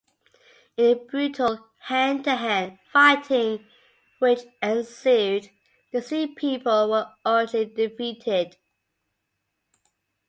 In the brutal hand-to-hand fighting which ensued, the Sea People were utterly defeated.